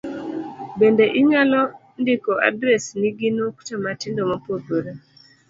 Bende inyalo ndiko adresni gi nukta matindo mopogore